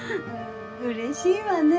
うれしいわねぇ。